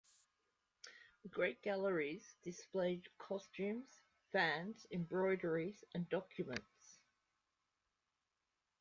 The Great Gallery displays costumes, fans, embroideries and documents.